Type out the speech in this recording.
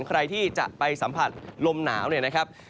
ใครที่จะไปสัมผัสลมหนาวเนี่ยนะครับ